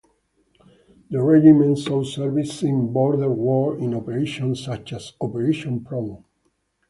The regiment saw service in the Border War in operations such as Operation Prone.